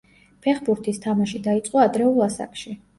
ფეხბურთის თამაში დაიწყო ადრეულ ასაკში.